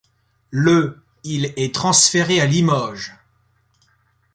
Le il est transféré à Limoges.